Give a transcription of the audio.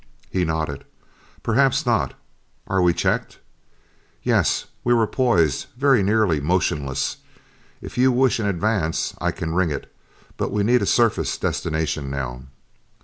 He nodded. "Perhaps not. Are we checked?" "Yes." We were poised very nearly motionless. "If you wish an advance, I can ring it. But we need a surface destination now."